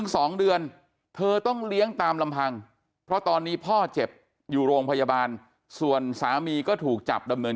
ขอเงินนู่นนี่นั่นมาเรื่อยสุดท้ายขอมาอยู่บ้าน